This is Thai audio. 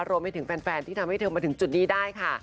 รวมไปถึงแฟนที่ทำให้เธอมาถึงจุดนี้ได้ค่ะ